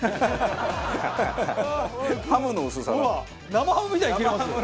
生ハムみたいに切れますよ。